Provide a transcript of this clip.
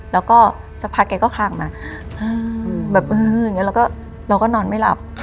แล้วก็สักพักแกก็คลากมาเราก็นอนไม่หลับ